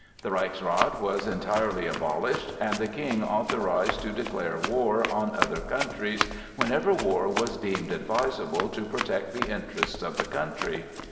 The Reichsrath was entirely abolished, and the King authorized to declare war on other countries whenever war was deemed advisable to protect the interests of the country.